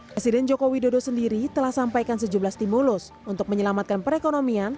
presiden joko widodo sendiri telah sampaikan sejumlah stimulus untuk menyelamatkan perekonomian